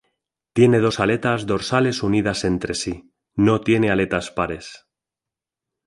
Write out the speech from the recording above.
Tiene dos aletas dorsales unidas entre sí, no tiene aletas pares.